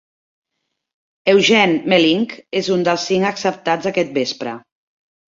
Eugene Melynk és un dels cinc acceptats aquest vespre.